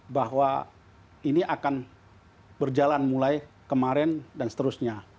bahwa ini akan berjalan mulai kemarin dan seterusnya